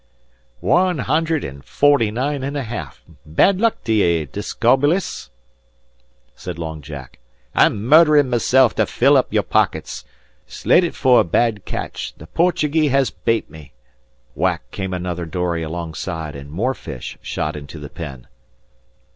"Wan hunder an' forty nine an' a half bad luck to ye, Discobolus!" said Long Jack. "I'm murderin' meself to fill your pockuts. Slate ut for a bad catch. The Portugee has bate me." Whack came another dory alongside, and more fish shot into the pen.